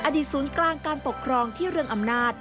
ศูนย์กลางการปกครองที่เรื่องอำนาจ